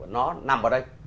nó nằm ở đây